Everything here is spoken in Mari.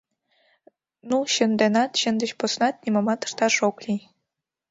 — Ну, чын денат, чын деч поснат нимомат ышташ ок лий.